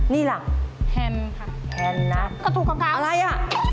นี่หลังแฮนค่ะแฮนนะก็ถูกกับกราฟอะไรน่ะ